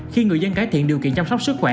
khi người dân cải thiện điều kiện chăm sóc sức khỏe